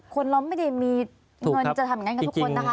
คนเราไม่ได้มีเงินจะทำอย่างนั้นกับทุกคนนะคะ